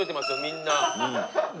みんな。